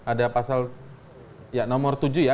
ada pasal ya nomor tujuh ya